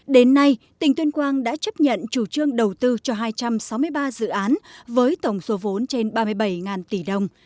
đến nay tỉnh tuyên quang đã chấp nhận chủ trương đầu tư cho hai trăm sáu mươi ba dự án với tổng số vốn trên ba mươi bảy tỷ đồng